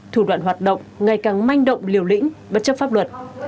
thủ đoạn hoạt động ngày càng manh động liều lĩnh bất chấp pháp luật